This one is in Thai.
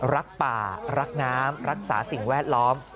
รักป่ารักน้ำรักษาสิ่งแวดล้อม